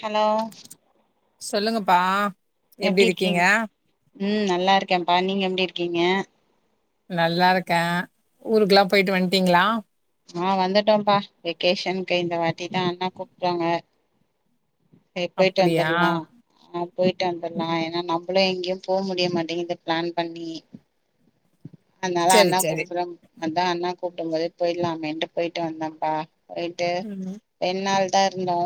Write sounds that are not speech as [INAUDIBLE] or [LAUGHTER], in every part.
Hello சொல்லுங்கப்பா எப்டி எப்டிருக்கிங்க இருக்கீங் ம் நல்லாருக்கேம்ப்பா நீங்க எப்டிருக்கிங்க நல்லாருக்கே ஊருக்குலா போய்ட்டு வன்ட்டிங்ளா ஆ வந்துட்டோம்பா வெக்கேஷன்க்கு இந்த வாட்டி தா அண்ணா கூப்டாங்க செரி போய்ட்டு அப்படியா? வந்தர்லா ஆ போய்ட்டு ம். வந்தர்லா ஏனா நம் புளு எங்கயு போ முடிய மாட்டிங்குது ப்ளான் பண்ணி அதனால சரி, அண்ணா சரி. கூப்புறாங் அதா அண்ணா கூப்டும் போதே போய்டலாமேன்ட்டு போய்ட்டு வந்தம்ப்பா போய்ட்டு ம். ரெண்நாள் தா இருந்தோ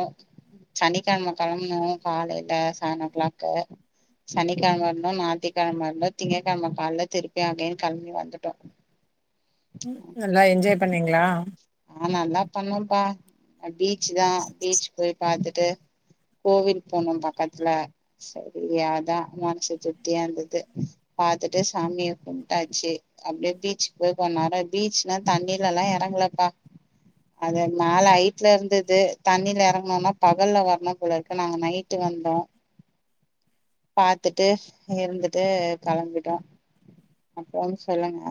சனிக்கெழம கெளம்னோ காலைல செவன் ஓ கிளாக்கு சனிக்கெழம இருந்தோ ஞாயித்துக்கெழம இருந்தோ திங்ககெழம காலைல திரு மே கெளம்பி வந்துட்டோ ம் நல்லா என்ஜாய் பண்ணிங்களா ஆ நல்லா பண்ணோம்ப்பா பீச் தா பீச் போய் பாத்துட்டு கோவில் போனோ பக்கத்துல சரி அதா மனசு திருப்தியா இருந்துது பாத்துட்டு சாமிய கும்ப்டாச்சு அப்டியே பீச் போ இப்ப நட பீச்னா தண்ணிலெல்லா எறங்லப்பா அது மேல ஹைட்ல இருந்துது தண்ணில எறங்கணுனா பகல்ல வரணு போல இருக்கு நாங்க நைட்டு வந்தோ [INAUDIBLE] பாத்துட்டு இருந்துட்டு கெளம்பிட்டோ அப்புற சொல்லுங்க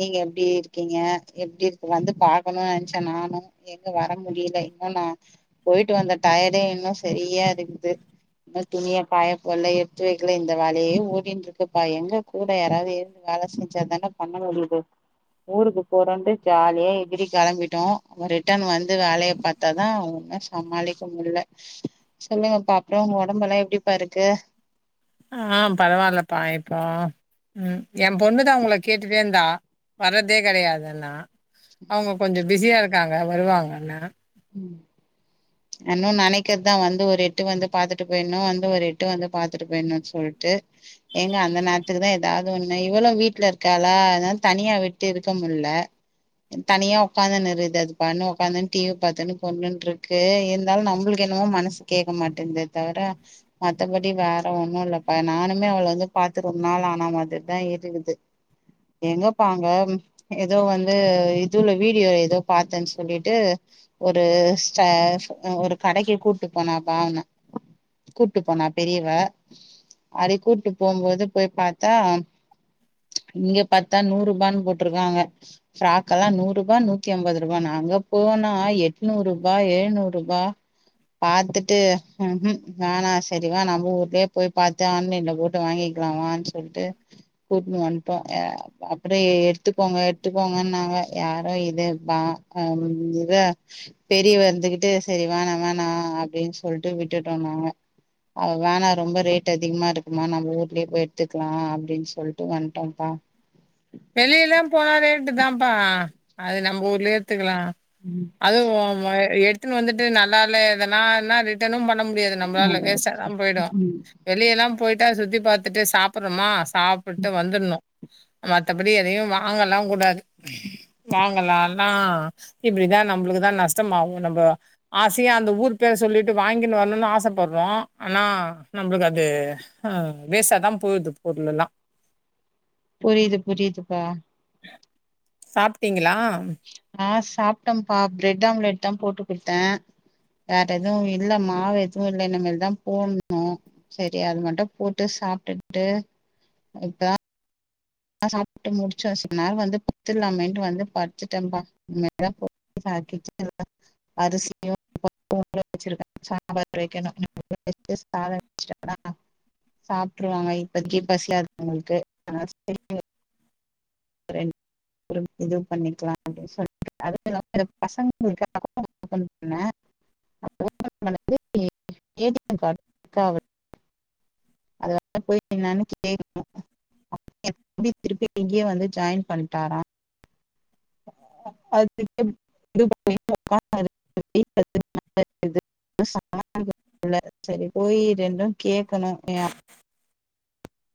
நீங்க எப்டி இருக்கிங்க எப்டி இருக்கு வந்து பாக்கணு நெனைச்ச நானு எங்க வர முடியல இன்னு நா போயிட்டு வந்த டயடே இன்னு சரியா இருக்குது இன்னொ துணிய காயபோல்ல எடுத்து வெக்ல இந்த வேலையே ஓடின்டுருக்குப்பா எங்க கூட யாராவது இருந்து வே கலோசிச்சாதாங்கா பண்ண முடிது ஊருக்கு போறோன்ட்டு ஜாலிய எகிரி கிளம்பிட்டோ ரிட்டன் வந்து வேலையை பாத்தாதா சமாளிக்க முடில சொல்லுங்கப்பா, அப்புற உங்க உடம்பஎல்லா எப்படிப்பா இருக்கு ஆ பரவாயில்லப்பா இப்போ ம் எ பொண்ணுதா உங்கள கேட்டுட்டே இருந்தா வர்றதே கிடையாதுன்னா அவங்க கொஞ்ச பிஸியா இருக்காங்க வருவாங்கன்னு ம் நன்னு நனைக்கிறது தா வந்து ஒரு எட்டு வந்து பாத்துட்டு போயிடணு, வந்து ஒரு எட்டு வந்து பாத்துட்டு போயிணு சொல்லிட் ட்டு எங்க அந்த நேரத்துக்கு தா ஏதாவது ஒண்ணு இவளு வீட்டுல இருக்காளா அதா தனியா விட்டு இருக்க மு இல்ல தனியா உக்காந்துனு அதுபட்ன்னு உகாந்துன்னு டிவி பாத்தன்னு பொண்ணு இருக்கு இருந்தாலு நம்மளுக்கு என்னமோ மனசு கேட்க மாட்டேங்குது தவிர மத்தபடி எப்படி வேற ஒன்னும் இல்லப்ப நானுமே அவள வந்து பாத்து ரொம்ப நாள் ஆனா மாரிதா இருக்குது எங்க பாங்க ஏதோ வந்து இதுல வீடியோ ஏதோ பாத்தேன்னு சொல்லிட்டு ஒரு [UNINTELLIGIBLE] ஒரு கடைக்கு கூட்டு போனா அவனா கூட்டுப் போனா பெரியவ அறி கூட்டு போம்போது போய் பாத்தா இங்க பாத்தா நூறு ரூபான்னு போட்ருக்காங்க பிராக் எல்லா நூறு ரூபா நூத்தி அம்பது ரூபா நாங்க அங்க போனா எட்நூறு ரூபா எழுநூறு ரூபா பாத்துட்டு ம்ஹூ ஆனா சரி வேணா நம்ம ஊர்லயே போய் பாத்து ஆன்லைன்ல போட்டு வாங்கி வேனான்னு சொல்லிட்டு கூப்னு வந்துட்டோ அப் அப்றம் எடுத்துக்கோங்க எடுத்துக்கோங்க நாங்க யாரோ இது இதா பெரியவ இருந்துகிட்டு சரி வேணா வேணா அப்படின்னு சொல்லிட்டு விட்டுட்டோ நாங்க அவ வேணா ரொம்ப ரேட் அதிகமா இருக்குதுமா, நம்ம ஊர்லயே போய் எடுத்துக்கலா அப்படின்னு சொல்லிட்டு வந்துட்டோ பா வெளிய எல்லாம் போனாலே ரேட்டு தாம்பா அது நம் ஊர்லயே ஏடுத்துக்கலா ம் அதுவு உ உ எடுத்துன்னு வந்துட்டு நல்லா இல்லன்னா என்ன ரிட்டனுபன் பன்ன முடியாது நம்மளால வேஸ்டதா நல்லது போயிடு ம் வெளிய எல்லா போ போயிட்டா சுத்தி பாத்துட்டு சாப்றோமா சாப்பிட்டு வந்துணு மத்தபடி எதையு வாங்கலா கூடாது வாங்கலா நா இப்படிதா நம்மளுக்குதா நஷ்டம் ஆகும் நம்ம ஆசையா அந்த ஊர் பேர் சொல்லிட்டு வாங்கி வரணும்னு ஆசப்படுறோ ஆனா நம்மளுக்கு அதுவேஸ்டா தா போகு து பொருளலா புரிது புரிதுப்பா சாப்ட்டீங்களா ஆ சாப்பிட்டோம்பா பிரெட் ஆம்லெட் தா போட்டு கொடுத்தே வேற எதுவு இல்ல மாவு எதுவு இல்லை இனிமேல் தான் போடணு சரி அது மட்டு போட்டு சாப்பிட்டுட்டு இப்பதா சாப்பிட்டு முடிச்சசு கொஞ்ச நேரம் வந்து படுத்துலான்ட்டு வந்து படுத்தடென் பா கிச்சன்ல அரிசியு முருங்க்கா சாம்பார் வைக்கணும் [INAUDIBLE] சாப்பிட்டுருவாங்க இப்பக்கி பசி ஆது உங்களுக்கு [INAUDIBLE] றேன் இது பண்ணிக்கலா அப்படினு சொல்லிட்டு அதுல்லாம பசங்க [UNINTELLIGIBLE] [UNINTELLIGIBLE] ஏடி எம் கார்டு ஒர்க் ஆகல அதல போயி நெனச்சிட்டே இருக்கு எப்படி திருப்பி இங்கயே வந்து ஜாயின் பண்ணிட்டாரா [UNINTELLIGIBLE] சமாளிக்கா முடியல சரி போய் ரெண்டு கேக்கணு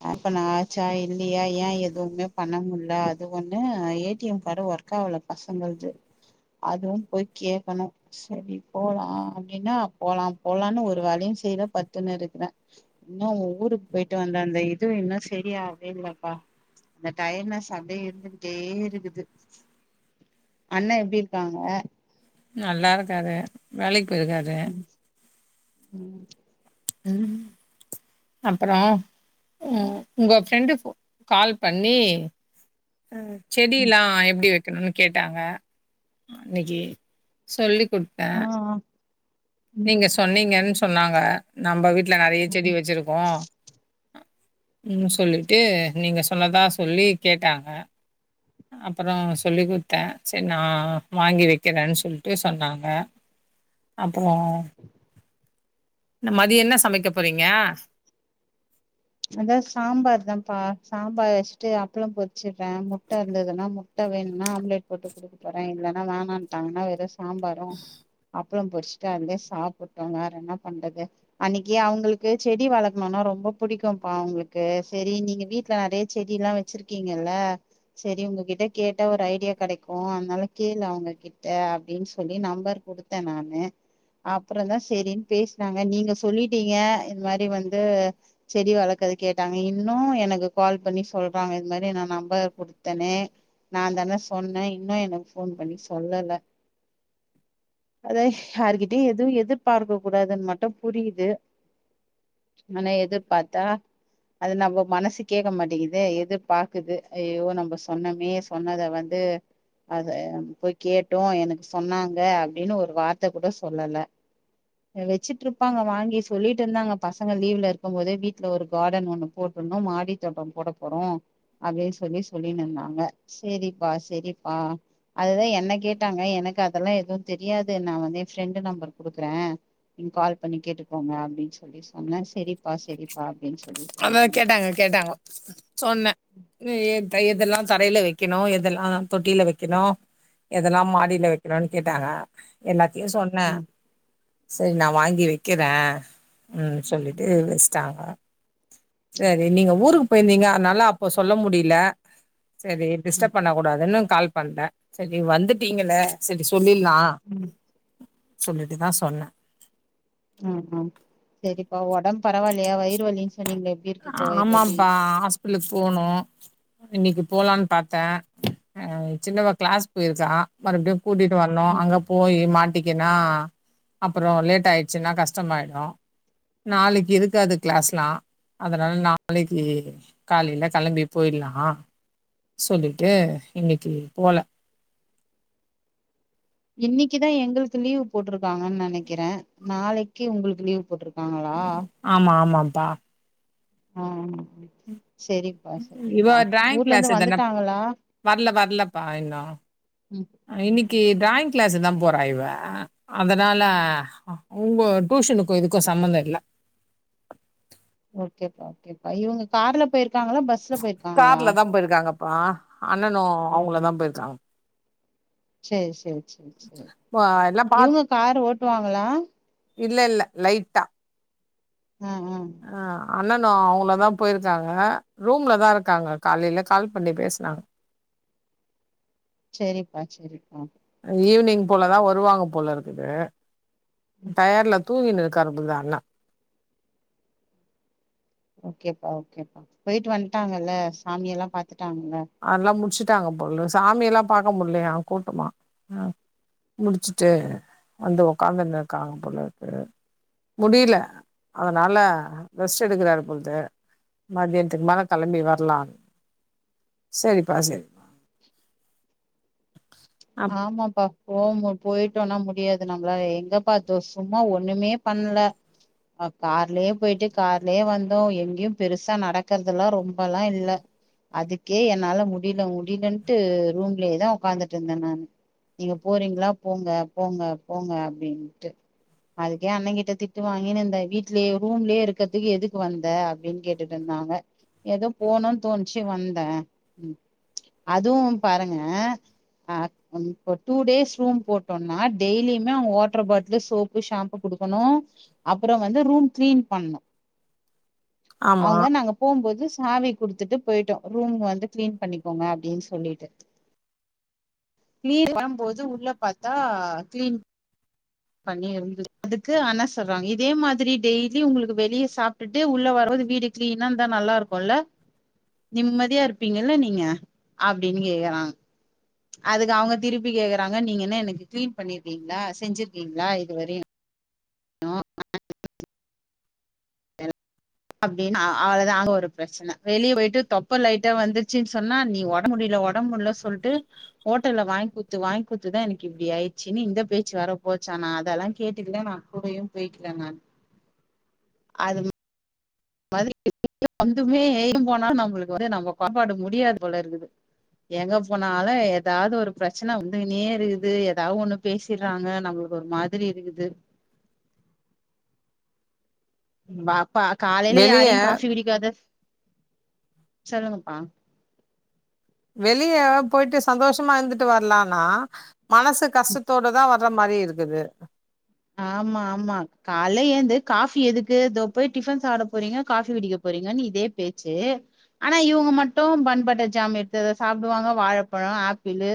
ஓபன் ஆச்சா இல்லையா ஏ எதுவுமே பண்ண முடில அது ஒண்ணு ஏ டி எம் கார்ட ஒர்க்காகுல பசங்களது அதுவும் போய் கேட்கணு சரி போலா அப்படின்னா போலா போலான்னு ஒரு வேலையும் [UNINTELLIGIBLE] படுதுன்னு இருக்கிறே இன்னும் ஊருக்கு போயிட்டு வந்த அந்த இதுவும் இன்னும் சரியாவே இல்லப்பா அந்த டயட்னஸ் அப்படியே இருந்துகிட்டே இருக்குது அண்ண எப்டி இருக்காங்க நல்லா இருக்காரு வேலைக்கு போயிருக்காரு ம் ம் அப்புறம் ம் உங்க ஃப்ரெண்டு கால் பண்ணி செடி எல்லா எப்டி வைக்கணும்னு கேட்டாங்க அன்னைக்கி சொல்லி குடுத்த ஆ ஆ நீங்க சொன்னீங்கன்னு சொன்னாங்க நம்ம வீட்ல நறைய செடி வச்சிருக்கோ ம் சொல்லிட்டு நீங்க சொன்னதா சொல்லி கேட்டாங்க அப்புறம் சொல்லிக்கொடுத்தே சரி நான் வாங்கி வைக்கிறேன்னு சொல்லிட்டு சொன்னாங்க ஆம் ஆ இந்த மதிய என்ன சமைக்க போறீங்க அதான் சாம்பார் தான்ப்பா சாம்பார் வச்சுட்டு அப்பளம் பொறிச்சடுறே முட்ட இருந்ததுனா முட்ட வேணும்னா ஆம்லேட் போட்டு கொடுக்க போறேன் இல்லனா வேணாங்ட்டான்னா வெறும் சாம்பாரும் அப்பளம் பொறிச்சுட்டு அதயே சாப்பிட்டோம் வேற என்ன பண்றது அன்னைக்கு அவங்களுக்கு செடி வளக்கணும்னா ரொம்ப பிடிக்கும்பா உங்களுக்கு சரி நீங்க வீட்ல நறைய செடி எல்லாம் வச்சிருக்கீங்கல்ல சரி உங்ககிட்ட கிட்ட கேட்டா ஒரு ஐடியா கடைக்கு அதனால கேளு அவங்க கிட்ட அப்படின்னு சொல்லி நம்பர் கொடுத்தே நானு அப்புற தான் சரின்னு பேசினாங்க நீங்க சொல்லிட்டீங்க இது மாரி வந்து செடி வளர்க்கறது கேட்டாங்க இன்னும் எனக்கு கால் பண்ணி சொல்றாங்க இது மாரி நா நம்பர் குடுத்தேனே நான் தானே சொன்னே இன்னும் எனக்கு போன் பண்ணி சொல்லல அதான் யாருகிட்டயும் எதுவும் எதிர்பார்க்க கூடாதுன்னு மட்டும் புரியுது ஆனா எதிர்பார்த்தா அது நம்ம மனசு கேட்க மாட்டேங்குது எது பார்க்குது ஐயோ நம்ம சொன்னமே சொன்னதை வந்து து அத போய் கேட்டோ எனக்கு சொன்னாங்க அப்படின்னு ஒரு வார்த்தை கூட சொல்லல வச்சிட்டு இருப்பாங்க வாங்கி சொல்லிட்டு இருந்தாங்க பசங்க லீவ்ல இருக் பார்க்கும் போது வீட்ல ஒரு கார்டன் ஒண்ணு போட்டுணும் மாடி தோட்டம் போட போறோம் அப்படின்னு சொல்லி சொல்லின்னு இருந்தாங்க சரிப்பா சரிப்பா அதுதான் என் என்ன கேட்டாங்க எனக்கு அதெல்லா எதுவும் தெரியாது நான் வந்து என் ஃப்ரெண்ட் நம்பர் குடுக்குறேன் நீங்க கால் பண்ணி கேட்டுக்கோங்க அப்படின்னு சொல்லி சொன்னேன் சரிப்பா சரிப்பா அப்படின்னு சொ அததான் கேட்டாங்க கேட்டாங்க சொன்னே எதல்லா தரையில வைக்கணு எதெல்லா தொட்டில வைக்கணும் எதெல்லா மாடியில வைக்கணும்னு கேட்டாங்க என்ன சொன்னேன் ம் சரி நான் வாங்கி வைக்கிறேன் ம் சொல்லிட்டு சரி நீங்க ஊருக்கு போயிருந்தீங்க அதனால அப்ப சொல்ல முடியல சரி ம் டிஸ்டர்ப் பண்ண கூடாதுன்னு கால் பண்ேன் சரி வந்துட்டீங்கள சரி சொல்லிலா ம் சொல்லிட்டுதான் சொன்ன ம் ம் சரிப்பா உடம்பு பரவாயில்யா வயிறு வலின்னு ன்னீங்கள எப்படி இருக்கு இப்ப வைரூவலி ளுக்கு போனும் இன்னைக்கு போலான்னு பாரத்தே ஆ சின்னவ கிளாஸ் போயிருக்கா மறுபடியும் கூட்டிட்டு வரணோும் ம் அங்க போய் மாட்ட ட்டிக்குன்னா அப்புறம் லேட் ஆயிடுச்சுன்னா கஷ்டமாயிடு நாளைக்கு இருக்காது கிளாஸ்லா அதனால நாளைக்கு காலையில கிளம்பி போயிடலா சொல்லிட்டு இன்னைக்கு போல இன்னைக்குதான் எங்களுக்கு லீவ் போட்ருக்காங்கன்னு நினைக்கிறேன் நாளைக்கு உங்களுக்கு லீவு் போட்ருக் க்காங்களா ப ஆ செரிப்பா செரிப்பா ஊர்லேந்து வந்துட்டாங்களா வர்ல வர்லப்பா இன்னோ ம் ம் க்ளேஸு தா போறா இவ அதனால உங்க டூஷனுக்கு இதுக்கு சம்மந்தம் இல்ல ஓகேப்பா ஓகேப்பா இவுங்க கார்ல போய்ருக்காங்ளா பஸ்ல போய்ருக்காங்ளா பா அண்ணனு அவுங்ளதா போய்ருக்காங் சேர் சேர் சே சே அ எல்லாம் இவுங்க கரு ஓட்டுவாங்களா இல்லெல்ல லைட்டா ம் ம் அண்ணனு அவுங்ளு தா போய்ருக்காங்க ரூம்ல தா இருக்காங்க காலைல கால் பண்ணி பேஸ்னாங் சேரிப்பா சேரிப்பா ஈவ்னிங் போல தா வருவாங்க போலருக்குது டயர்ல தூங்கின்னு இருக்காரு புர்தா அண்ணா ஓகேப்பா ஓகேப்பா பொயிட்டு வன்ட்டாங்கல்ல சாமி எல்லா பாத் அத்லா முட்ச்சுட்டாங்க பொள்ளு சாமி எல்லா பாக்க முட்லயா கூட்டமா ம் முட்ச்ட்டு வந்து ஒக்காந் இர்ந்துர்க்காங்க பொளர்க்கு முடிய்ல அதனால ரெஸ்ட் எடுக்குறாரு பொல்து மத்யன்த்துக்கு மேல களம்பி வர்லா செரிப்பா செரி ஆமாப்பா ஓமு பொயிட்டோனா முடியாது நம்ளா எங்க பாத்தோ சும்மா ஒன்னுமே பண்ல அ கார்லயே போயிட்டு கார்லே வந்தோ எங்யு பெருசா நடக்கறதுலா ரொம்பலா இல்ல அதுக்கே என்னால முடிய்ல முடிலன்டு ரூம்லேதா ஒக்காந்துட்ருந்தன் நான் நீங்க போறீங்ளா போங்க போங்க போங்க அபின்ட்டு அதுக்கே அண்ணன் கிட்ட திட்டு வாங்கினு இந்த வீட்லியே ரூம்லே இருக்கற்துக் எதுக்கு வந்த அப்பின் கேட்டுட்டு வந்த நாங்க ஏதோ போணுன் தோன்ச்சி வந்த அதுவு பாருங்க அ டூ டேஸ் ரூம் போட்டோன்னா டெய்லிய்மே அவுங் வாட்ர பாட்லு சோப்பு ஷாம்பு குடுக்கணு அப்றொ வந்து ரூம் க்ளீன் பண்ணு ஆமா அவுங்க நாங்க போம்போது ஹாவி குட்த்துட்டு பொய்ட்டோ ரூம் வந்து க்ளீன் பண்ணிக்கோங்க அப்டீன் சொல்லிட்டு க்ளீன் [INAUDIBLE] போது உள்ள பாத்தா க்ளீன் பண்ணி இருந்து அதுக்கு அண்ண சொல்றாங் இதே மாதுரி டெய்லி உங்ளுக்கு வெளிய சாப்டுட்டு உள்ள வரோ வீடு க்ளீனாந்தா நல்லாருக்கொல்ல நிம்மதியா இருப்பீங்கல்ல நீங்க அப்டினு கேக்குறா அதுக்கு அவுங்க திருப்பி கேக்குறாங்க நீங்க என்ன எனக்கு க்ளீன் பண்ணிர்ப்பீங்ளா செஞ்சிர்க்கீங்ளா இதுவரியு நா [INAUDIBLE] என்ஹல அப்டினு அ அவுளோதா அங்க ஒரு ப்ரச்சன வெளிய பொயிட்டு தொப்ப லைட்டா வந்துர்ச்சின் சொன்னா நீ ஒட முடில இல்ல ஒடம் முல்ல சொல்ட்டு ஓட்டல்ல வாய்ங்குத்து வாய்ங்குத்துதா எனக்கு இப்டி ஆயிற்ச்சினு இந்த பேச்சு வரப்போ போச்சா நா அதலா கேட்டுக்குல நா கூடயு பேய்க்கில நான் [INAUDIBLE] அதும் மதுரி [INAUDIBLE] வந்துமே [INAUDIBLE] போனா நம்புளுக்கு வந்து நம்ம பாப்பாடு முடியாது போல இருக்குது எங்க போனாலு எதாது ஒரு ப்ரச்சன வந்துகுனேருக்குது எதாவ் ஒன்னு பேசிற்றாங்க நம்ளு ஒரு மாதுரி இருக்குது [INAUDIBLE] ம் வாப்பா காலைல வெளிய யாரையு காஃபி பிடிக்காது சொல்லுங்கப்பா வெளிய போயிட்டு சந்தோஷமா இருந்துட்டு வர்லானா மனசு கஷ்டத்தோட தா வர்ற மாரி இருக்குது ஆமா ஆமா கால்ல ஏந்து காஃபி எதுக்கு இதோ போய் டிஃபன் சாப்ட போறீங்க காஃபி குடிக்க போற் றீங்கனு இதே பேச்சு ஆனா இவுங்க மட்டு பன் பட்டர் ஜாம் எடுத்து சாப்டுவாங்க வாழப்பழ ஆப்பிளு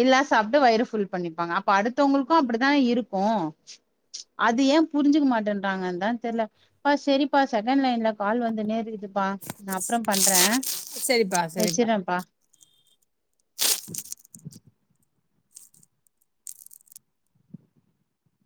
இதுலா சாப்ட்டு வயிற ஃபுல் பண்ணிப்பாங்க அப்ப அடுத்தவ்ங்களுக்கு அப்டித்தா இருக்கு [INAUDIBLE] அது ஏ புரிஞ்சுக்க மாட்டேன்றாங்கன் தா தெர்ல ப்பா செரிப்பா செகண்ட் லைன்ல கால் வந்துன்னே இருக்குது ப்பா நா அப்ற பண்றே சரிப்பா சரிப்பா வெச்சுட்றேப்பா [INAUDIBLE]